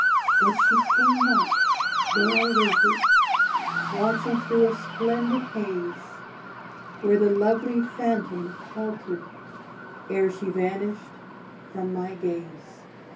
But she came not though I waited, watching through a splendid haze, Where the lovely Phantom halted ere she vanished from my gaze.